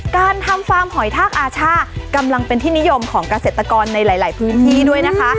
การทำฟาร์มหอยทากอาช่ากำลังเป็นที่นิยมของเกษตรกรในหลายพื้นที่ด้วยนะคะ